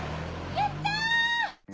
やったー！